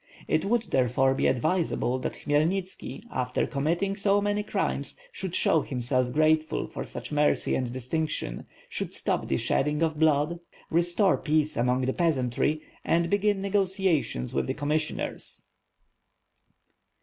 It would, therefore, be advisable that Khmy elnitski, after committing so many crimes, should show him self grateful for such mercy and distinction; should stop the shedding of blood, restore peace among the peasantry and begin negotiations with the commissioners.